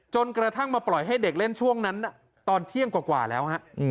จนกระทั่งมาปล่อยให้เด็กเล่นช่วงนั้นตอนเที่ยงกว่าแล้วฮะ